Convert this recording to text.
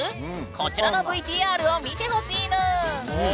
こちらのＶＴＲを見てほしいぬん。